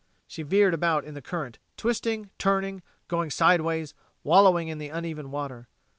She veered about in the current, twisting, turning, going sideways, wallowing in the uneven water.